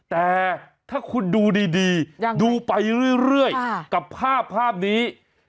แต่ถ้าคุณดูดีดูไปเรื่อยกับภาพนี้